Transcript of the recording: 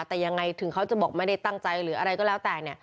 แต่ยังไงถึงเขาจะบอกไม่ได้ตั้งใจหรืออะไรก็แล้วแต่